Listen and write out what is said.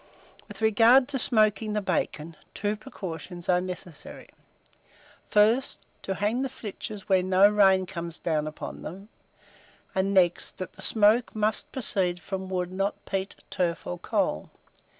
With regard to smoking the bacon, two precautions are necessary: first, to hang the flitches where no rain comes down upon them; and next, that the smoke must proceed from wood, not peat, turf, or coal.